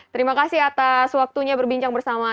terima kasih atas waktunya berbincang bersama